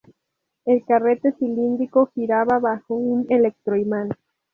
El carrete cilíndrico giraba bajo un electroimán.